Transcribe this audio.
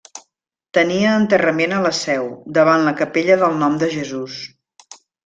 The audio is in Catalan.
Tenia enterrament a la Seu, davant la capella del Nom de Jesús.